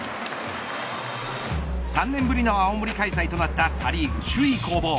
３年ぶりの青森開催となったパ・リーグ首位攻防。